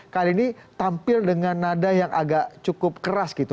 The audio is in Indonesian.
kali ini tampil dengan nada yang agak cukup keras gitu